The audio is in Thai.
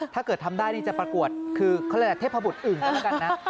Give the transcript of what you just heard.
ถ้าเกิดทำได้จะปรากวดคือคลิปภาพบุตรอึ้งก็แล้วกันนะ